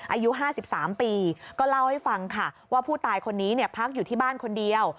อายุ๕๓ปีก็เล่าให้ฟังค่ะว่าผู้ตายคนนี้พักอยู่ที่บ้านคนเดียว